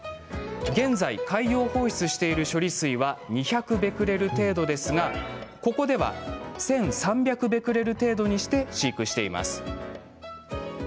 現在、海洋放出している処理水は２００ベクレル程度ですがここでは１３００ベクレル程度にして飼育しています。